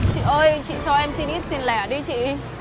chị ơi chị cho em xin ít tiền lẻ đi chị